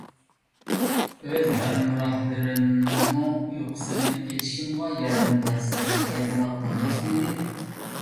ئۆز ھەمراھلىرىمنىڭمۇ ئۇيقۇسىنى ئېچىشىمغا ياردەم بەرسە پايدىلىق بولماسمىدى؟